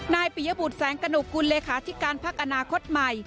นายปิยบุริษัทแสงกนุกคุณเลคาที่การพักอนาคตใหม่